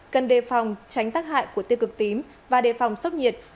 cần đề phòng tránh tác hại của tiêu cực tím và đề phòng sốc nhiệt